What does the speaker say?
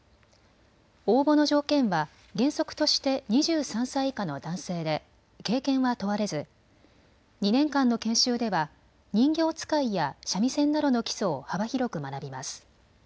応募の条件は原則として２３歳以下の男性で経験は問われず２年間の研修では人形遣いや三味線などの基礎を幅広く学びます。